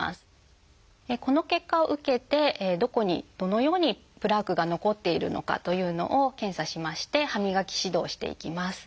この結果を受けてどこにどのようにプラークが残っているのかというのを検査しまして歯磨き指導していきます。